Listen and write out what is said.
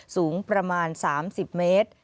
สูงประมาณ๓๐เมตร